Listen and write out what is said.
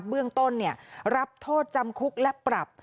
เบื้องต้นรับโทษจำคุกและปรับ